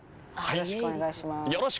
よろしくお願いします！